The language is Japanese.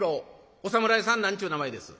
お侍さん何ちゅう名前です？」。